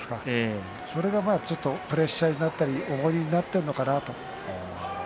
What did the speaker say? それが、ちょっとプレッシャーになったり重荷になっているのかなと思います。